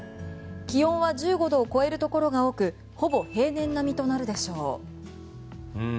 気温は１５度を超えるところが多くほぼ平年並みとなるでしょう。